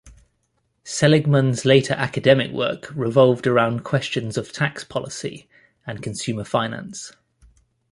Seligman's later academic work revolved around questions of tax policy and consumer finance.